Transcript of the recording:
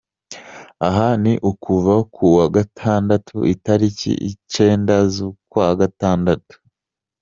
Aha ni ukuva kuwa gatandatu italiki icenda z'ukwa gatandatu.